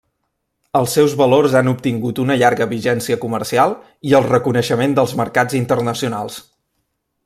Els seus valors han obtingut una llarga vigència comercial i el reconeixement dels mercats internacionals.